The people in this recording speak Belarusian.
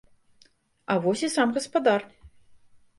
А вось і сам гаспадар.